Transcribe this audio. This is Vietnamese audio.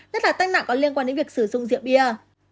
nhất là tai nạn có liên quan đến việc sử dụng rượu bia